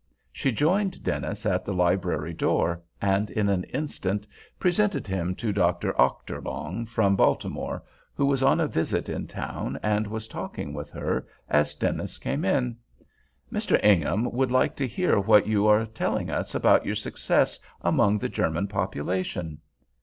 She joined Dennis at the library door, and in an instant presented him to Dr. Ochterlong, from Baltimore, who was on a visit in town, and was talking with her, as Dennis came in. "Mr. Ingham would like to hear what you were telling us about your success among the German population."